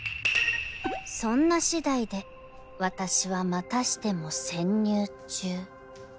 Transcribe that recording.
そんなしだいで私はまたしても潜入中